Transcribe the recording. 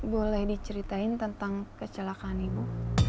boleh diceritain tentang kecelakaan ibu